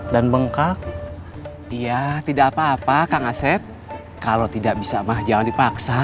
dan bengkak dia tidak apa apa kang aset kalau tidak bisa mah jangan dipaksa